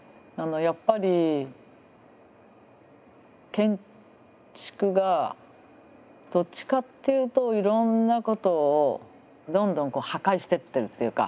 やっぱり建築がどっちかっていうといろんなことをどんどん破壊していってるっていうか。